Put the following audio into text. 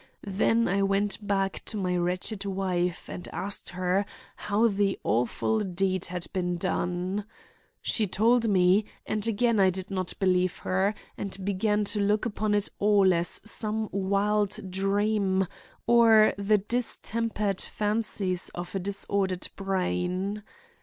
Then I went back to my wretched wife and asked her how the awful deed had been done. She told me, and again I did not believe her and began to look upon it all as some wild dream or the distempered fancies of a disordered brain.